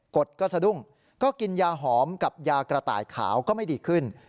ดก็สะดุ้งก็กินยาหอมกับยากระต่ายขาวก็ไม่ดีขึ้น